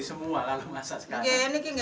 inesaga mata yang berwaspada katanya